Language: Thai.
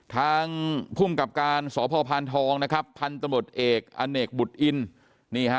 ทางภูมิกับการสพท้องทนตเอกออบุตอิน